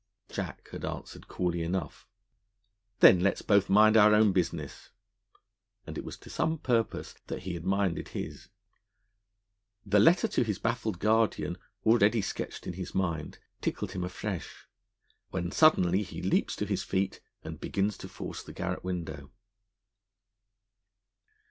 Jack had answered coolly enough: 'Then let's both mind our own business.' And it was to some purpose that he had minded his. The letter to his baffled guardian, already sketched in his mind, tickled him afresh, when suddenly he leaps to his feet and begins to force the garret window.